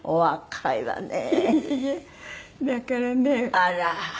あら！